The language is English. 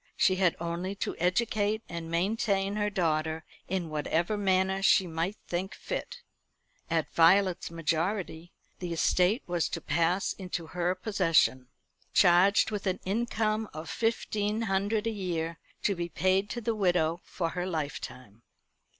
She had only to educate and maintain her daughter in whatever manner she might think fit. At Violet's majority the estate was to pass into her possession, charged with an income of fifteen hundred a year, to be paid to the widow for her lifetime.